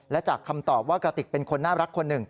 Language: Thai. และจากคำตอบว่ากระติกเป็นคนน่ารักคนหนึ่ง